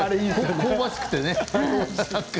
香ばしくてね。